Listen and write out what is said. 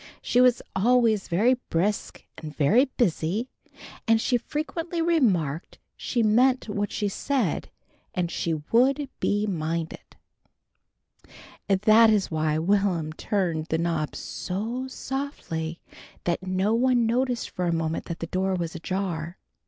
She was always very brisk and very busy, and, as she frequently remarked, she meant what she said and she would be minded. That is why Will'm turned the knob so softly that no one noticed for a moment that the door was ajar.